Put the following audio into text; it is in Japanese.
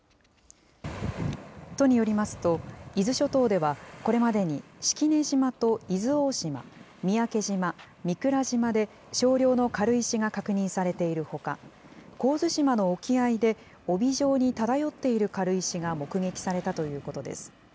都によりますと、伊豆諸島ではこれまでに式根島と伊豆大島、三宅島、御蔵島で少量の軽石が確認されているほか、神津島の沖合で、帯状に漂っている軽石が目撃されたということです。